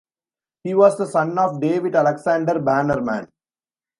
He was the son of David Alexander Bannerman.